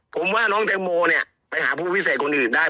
ผมว่าน้องแตงโมเนี่ยไปหาผู้พิเศษคนอื่นได้